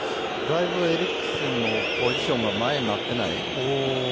だいぶエリクセンのポジションが前になってない？